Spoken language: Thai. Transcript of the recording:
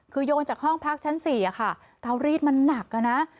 คือโยนจากห้องพักชั้น๔ค่ะเตารีดมันหนักอะนะ